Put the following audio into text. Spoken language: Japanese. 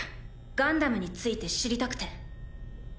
ガンダムについて知りたくて。